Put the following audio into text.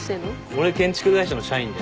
俺建築会社の社員で。